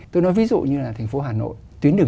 tôi nói ví dụ như là thành phố hà nội